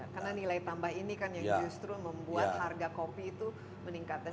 karena nilai tambah ini kan yang justru membuat harga kopi itu meningkatkan